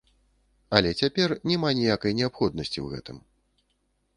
Але цяпер няма ніякай неабходнасці ў гэтым.